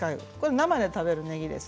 生で食べるものです。